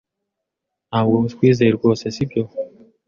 Ntabwo utwizeye rwose, sibyo?